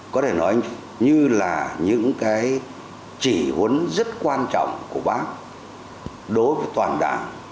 có thể nói như là những cái chỉ huấn rất quan trọng của bác đối với toàn đảng